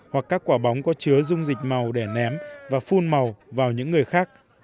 hoặc các quả bóng có chứa dung dịch màu để ném và phun màu vào những người khác